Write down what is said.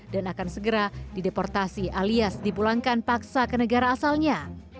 dan akan segera dideportasi alias dipulangkan paksa ke negara asalnya